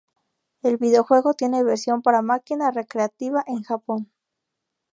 El videojuego tiene versión para máquina recreativa en Japón.